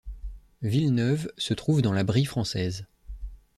Villeneuve se trouve dans la Brie française.